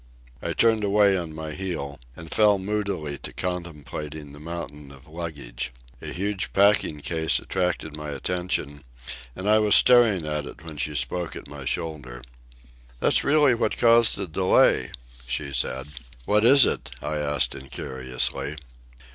I turned away on my heel and fell moodily to contemplating the mountain of luggage. A huge packing case attracted my attention, and I was staring at it when she spoke at my shoulder. "That's what really caused the delay," she said. "What is it?" I asked incuriously.